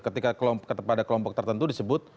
ketika kepada kelompok tertentu disebut